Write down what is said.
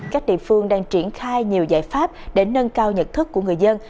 các địa phương đang triển khai nhiều giải pháp để nâng cao nhận thức của người dân